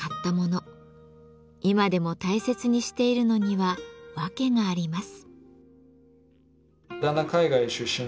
今でも大切にしているのには訳があります。